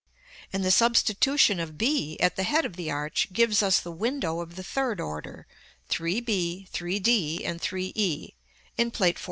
and the substitution of b, at the head of the arch, gives us the window of the third order, 3 b, 3 d, and 3 e, in Plate XIV.